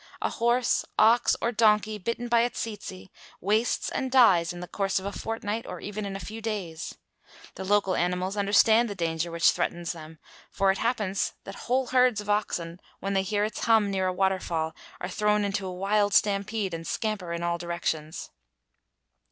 A horse, ox, or donkey bitten by a tsetse wastes and dies in the course of a fortnight or even in a few days. The local animals understand the danger which threatens them, for it happens that whole herds of oxen, when they hear its hum near a waterfall, are thrown into a wild stampede and scamper in all directions.